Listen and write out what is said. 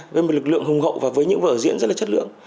với một lực lượng hùng hậu và với những vở diễn rất là chất lượng